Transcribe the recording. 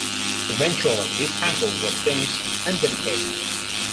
Eventually, this temple was finished and dedicated.